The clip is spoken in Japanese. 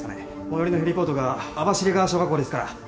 最寄りのヘリポートが網走川小学校ですからそこへ車で２０分。